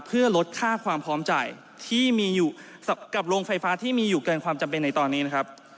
เพื่อลดค่าความพร้อมจ่ายที่มีอยู่กับโรงไฟฟ้าที่มีอยู่เกินความจำเป็นในตอนนี้นะครับ